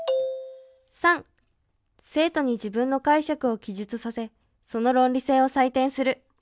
生徒に自分の解釈を記述させその論理性を採点する。